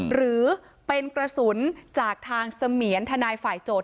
หรือเป็นกระสุนจากทางเสมียนทนายฝ่ายโจทย